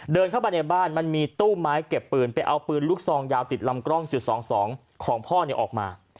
เดินเข้าไปในบ้านมันมีตู้ไม้เก็บปืนไปเอาปืนลูกซองยาวติดลำกล้องจุด๒๒ของพ่อออกมา